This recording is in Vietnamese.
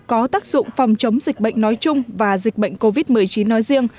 có tác dụng phòng chống dịch bệnh nói chung và dịch bệnh covid một mươi chín nói riêng